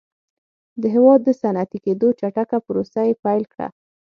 د هېواد د صنعتي کېدو چټکه پروسه یې پیل کړه